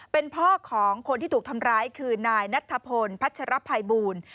เป็นพ่อของคนที่ถูกทำร้ายคือนายนัทธพลพัชรภัยบูล